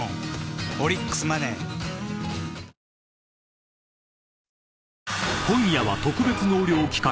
本麒麟［今夜は特別納涼企画。